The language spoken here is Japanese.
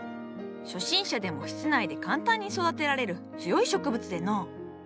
初心者でも室内で簡単に育てられる強い植物での。